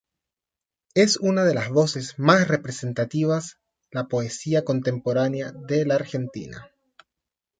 Es una de las voces más representativas la poesía contemporánea de la Argentina.